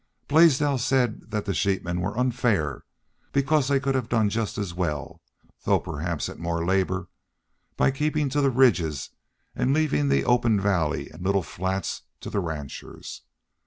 Blaisdell said that the sheepmen were unfair because they could have done just as well, though perhaps at more labor, by keeping to the ridges and leaving the open valley and little flats to the ranchers.